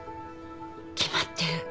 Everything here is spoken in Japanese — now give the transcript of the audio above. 決まってる。